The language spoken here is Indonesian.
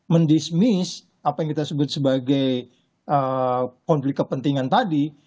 mendismis apa yang kita sebut sebagai konflik kepentingan tadi